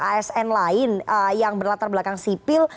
asn lain yang berlatar belakang sipil